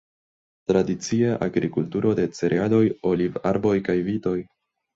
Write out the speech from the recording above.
Tradicie agrikulturo de cerealoj, olivarboj kaj vitoj.